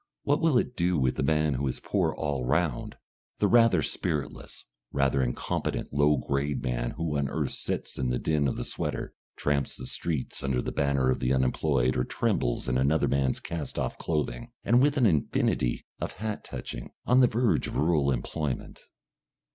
And what will it do with the man who is "poor" all round, the rather spiritless, rather incompetent low grade man who on earth sits in the den of the sweater, tramps the streets under the banner of the unemployed, or trembles in another man's cast off clothing, and with an infinity of hat touching on the verge of rural employment?